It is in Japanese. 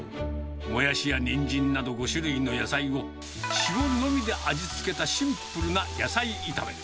モヤシやニンジンなど５種類の野菜を、塩のみで味付けたシンプルな野菜炒め。